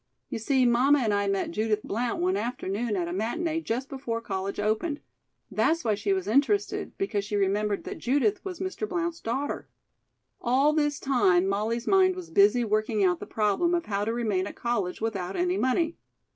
You see mamma and I met Judith Blount one afternoon at a matinee just before college opened. That's why she was interested, because she remembered that Judith was Mr. Blount's daughter." All this time Molly's mind was busy working out the problem of how to remain at college without any money.